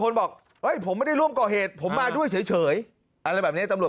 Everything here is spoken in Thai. บอกผมไม่ได้ร่วมก่อเหตุผมมาด้วยเฉยอะไรแบบนี้ตำรวจ